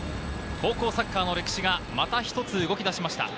高校サッカーの歴史がまた一つ動き出しました。